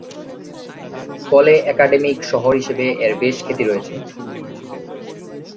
ফলে একাডেমিক শহর হিসেবে এর বেশ খ্যাতি রয়েছে।